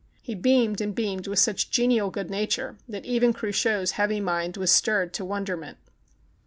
He beamed and beamed with such genial good nature that even Cruchot's heavy mind was stirred to wonderment.